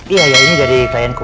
iya ya ini dari kainku